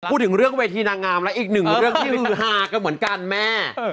พูดถึงเรื่องเวทีนางงามและอีกหนึ่งเรื่องที่ฮือฮากันเหมือนกันแม่